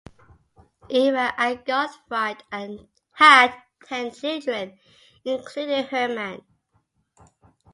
Eva and Gottfried had ten children including Herman.